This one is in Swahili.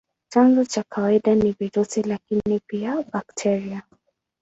Chanzo cha kawaida ni virusi, lakini pia bakteria.